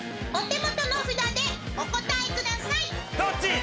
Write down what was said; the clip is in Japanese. お手元の札でお答えくださいどっち？